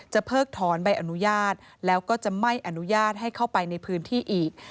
เพิกถอนใบอนุญาตแล้วก็จะไม่อนุญาตให้เข้าไปในพื้นที่อีก